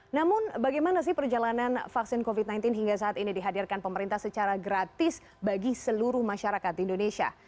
namun bagaimana sih perjalanan vaksin covid sembilan belas hingga saat ini dihadirkan pemerintah secara gratis bagi seluruh masyarakat indonesia